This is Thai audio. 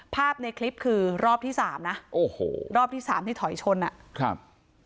ภาพในคลิปคือรอบที่สามนะโอ้โหรอบที่สามที่ถอยชนอ่ะครับ